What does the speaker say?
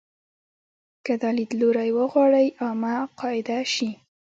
که دا لیدلوری وغواړي عامه قاعده شي.